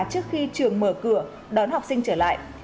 trước khi trường mở cửa đón học sinh trở lại